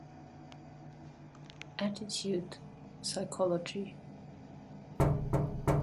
Attitude (psychology)